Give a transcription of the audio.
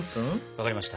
わかりました。